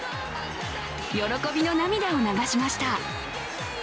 喜びの涙を流しました。